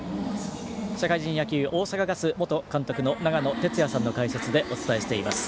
社会人野球大阪ガス元監督の長野哲也さんの解説でお伝えしています。